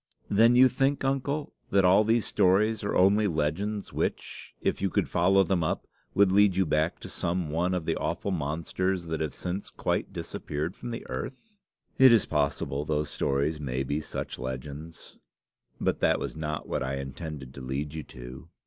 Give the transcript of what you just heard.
"Then you think, uncle, that all these stories are only legends which, if you could follow them up, would lead you back to some one of the awful monsters that have since quite disappeared from the earth." "It is possible those stories may be such legends; but that was not what I intended to lead you to.